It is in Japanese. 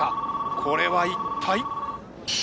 これは一体！？